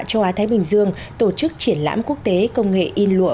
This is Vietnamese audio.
châu á thái bình dương tổ chức triển lãm quốc tế công nghệ in lụa